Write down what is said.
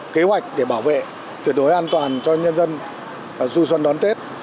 kế hoạch để bảo vệ tuyệt đối an toàn cho nhân dân du xuân đón tết